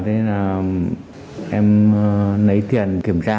thế là em lấy tiền kiểm tra